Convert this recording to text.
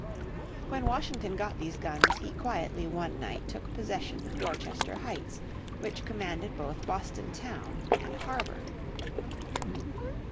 When Washington got these guns he quietly one night took possession of Dorchester Heights, which commanded both Boston town and harbour.